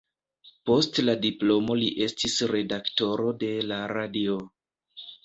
Post la diplomo li estis redaktoro de la Radio.